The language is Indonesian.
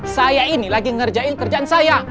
saya ini lagi ngerjain kerjaan saya